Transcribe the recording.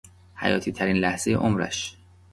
حیاتیترین لحظهی عمرش